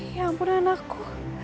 ya ampun anakku